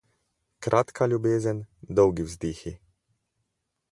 Kratka ljubezen, dolgi vzdihi.